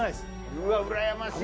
うわうらやましい。